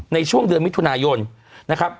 ในช่วงเดือนมิถุนายนนะครับ